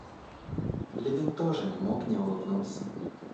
Левин тоже не мог не улыбнуться.